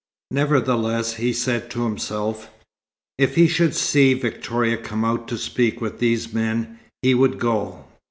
Nevertheless, he said to himself, if he should see Victoria come out to speak with these men, he would go.